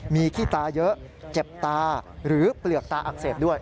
มีขี้ตาเยอะเจ็บตาหรือเปลือกตาอักเสบด้วย